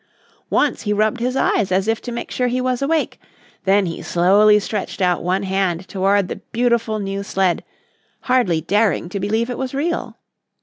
Once he rubbed his eyes as if to make sure he was awake, then he slowly stretched out one hand toward the beautiful new sled, hardly daring to believe it was real.